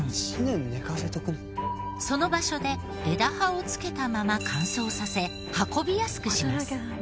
その場所で枝葉をつけたまま乾燥させ運びやすくします。